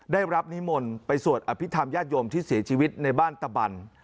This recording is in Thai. นิมนต์ไปสวดอภิษฐรรมญาติโยมที่เสียชีวิตในบ้านตะบัน